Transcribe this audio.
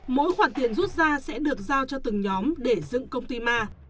mỗi khoản tiền rút ra sẽ được giao cho từng nhóm để dựng công ty ma